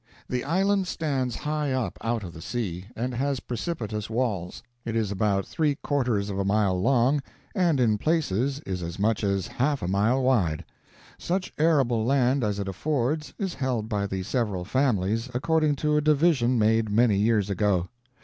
The island stands high up out of the sea, and has precipitous walls. It is about three quarters of a mile long, and in places is as much as half a mile wide. Such arable land as it affords is held by the several families, according to a division made many years ago.